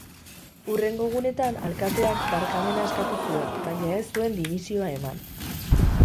Hurrengo egunean, alkateak barkamena eskatu zuen, baina ez zuen dimisioa eman.